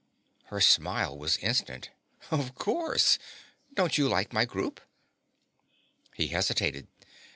Her smile was instant. "Of course. Don't you like my group?" He hesitated.